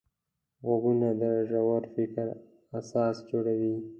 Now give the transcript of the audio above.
غوږونه د ژور فکر اساس جوړوي